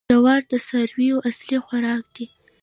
جوار د څارویو اصلي خوراک دی.